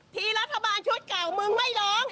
ที่รัฐบาลชุดเก่ามึงไม่ร้อง